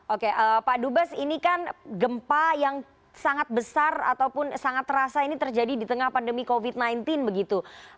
oke pak dubes ini kan gempa yang sangat besar ataupun sangat terasa ini terjadi di tengah pandemi covid sembilan belas begitu